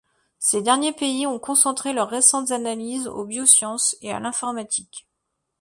Ces derniers pays ont concentré leurs récentes analyses aux biosciences et à l'informatique.